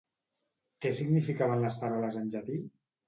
Què significaven les paraules en llatí?